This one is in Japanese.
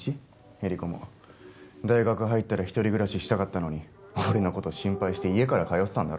衿子も大学入ったら一人暮らししたかったのに俺の事心配して家から通ってたんだろ？